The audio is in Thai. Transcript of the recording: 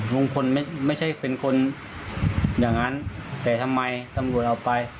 ไม่ใช่เป็นคนอย่างนั้นแต่ทำไมตำรวจเอาไป